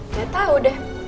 gak tau deh